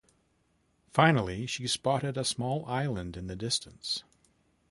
Finally, she spotted a small island in the distance.